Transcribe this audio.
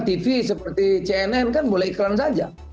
tv seperti cnn kan boleh iklan saja